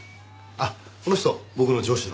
あっこの人僕の上司の。